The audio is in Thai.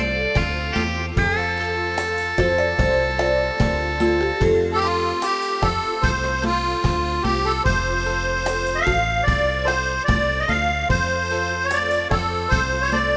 มค